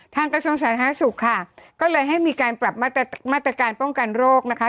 กระทรวงสาธารณสุขค่ะก็เลยให้มีการปรับมาตรการป้องกันโรคนะคะ